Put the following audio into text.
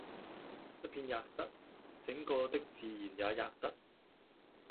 一片喫得，整個的自然也喫得。